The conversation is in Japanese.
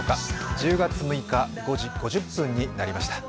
１０月６日５時５０分になりました。